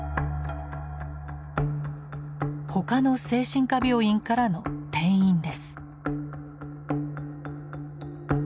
他の精神科病院からの転院です。